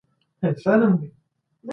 تاسي ولي د مسلمانانو د یوالي غږ ونه اورېدی؟